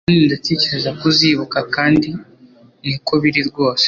Kandi ndatekereza ko uzibuka kandi niko biri rwose